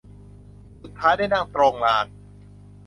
สุดท้ายได้นั่งตรงลาน